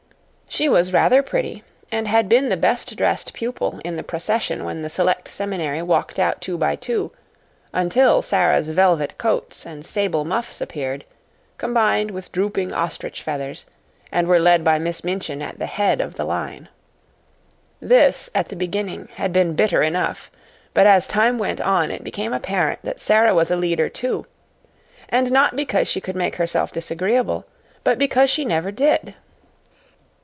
She was rather pretty, and had been the best dressed pupil in the procession when the Select Seminary walked out two by two, until Sara's velvet coats and sable muffs appeared, combined with drooping ostrich feathers, and were led by Miss Minchin at the head of the line. This, at the beginning, had been bitter enough; but as time went on it became apparent that Sara was a leader, too, and not because she could make herself disagreeable, but because she never did.